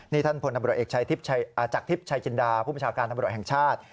นี่ท่านพลตำรวจเอกจากทิพย์ชายจินดาผู้บัญชาการตำรวจแห่งชาติ